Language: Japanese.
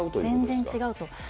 全然違うと。